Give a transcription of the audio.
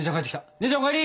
姉ちゃんお帰り！